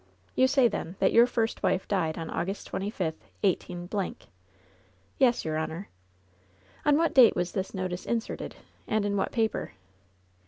"You say, then, that your first wife died on August 25, 18—?" ^TTes, your honor." "On what date was this notice inserted, and in what paper